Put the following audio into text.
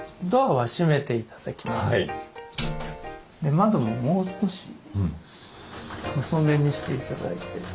窓ももう少し細めにして頂いて。